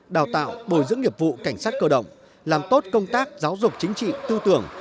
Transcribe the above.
đào tạo bồi dưỡng nghiệp vụ cảnh sát cơ động làm tốt công tác giáo dục chính trị tư tưởng